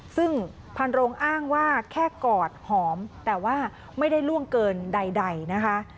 ซึ่งพันโรงอ้างว่าแค่กอดหอมแต่ว่าไม่ได้ล่วงเกินใดนะคะ